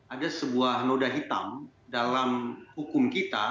ada sebuah noda hitam dalam hukum kita